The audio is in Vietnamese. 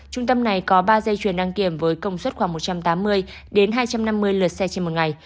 trung tâm này có ba dây chuyền đăng kiểm với công suất khoảng một trăm tám mươi hai trăm năm mươi lượt xe trên một ngày